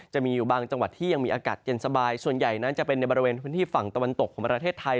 จะมีอยู่บางจังหวัดที่ยังมีอากาศเย็นสบายส่วนใหญ่นั้นจะเป็นในบริเวณพื้นที่ฝั่งตะวันตกของประเทศไทย